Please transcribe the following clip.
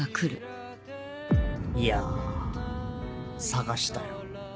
いや捜したよ。